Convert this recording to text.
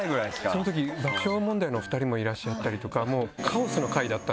そのとき爆笑問題のお二人もいらっしゃったりとか。